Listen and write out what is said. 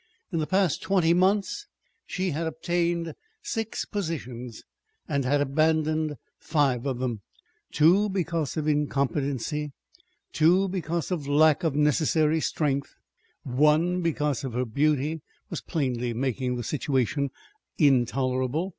In the past twenty months she had obtained six positions and had abandoned five of them: two because of incompetency, two because of lack of necessary strength, one because her beauty was plainly making the situation intolerable.